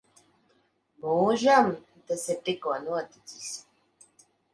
Mūžam? Tas ir tikko noticis.